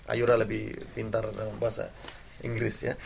ayura lebih pintar dalam bahasa inggris ya